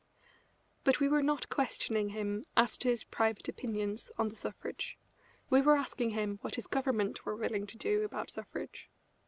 But we were not questioning him as to his private opinions on the suffrage; we were asking him what his Government were willing to do about suffrage.